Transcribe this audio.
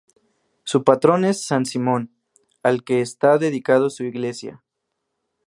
Su patrón es San Simón, al que está dedicado su iglesia.